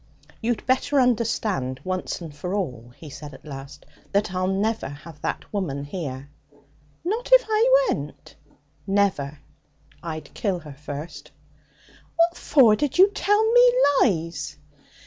'You'd better understand once and for all,' he said at last, 'that I'll never have that woman here.' 'Not if I went?' 'Never! I'd kill her first.' 'What for did you tell me lies?'